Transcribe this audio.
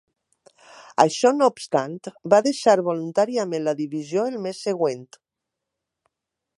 Això no obstant, va deixar voluntàriament la divisió el mes següent.